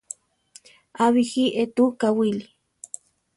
A bíji étuka wili.